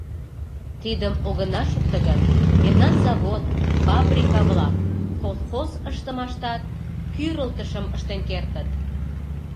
Тидым огына шукто гын, мемнан завод, фабрика-влак колхоз ыштымаштат кӱрылтышым ыштен кертыт.